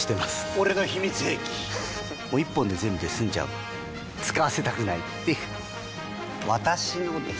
俺の秘密兵器１本で全部済んじゃう使わせたくないっていう私のです！